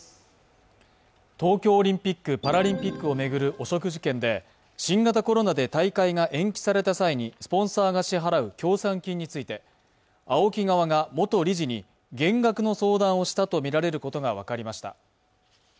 東京オリンピック・パラリンピックを巡る汚職事件で新型コロナで大会が延期された際にスポンサーが支払う協賛金について、ＡＯＫＩ側が元理事に、減額の相談をしたとみられることが分かりました。